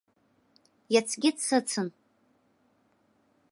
Иацгьы дсыцын.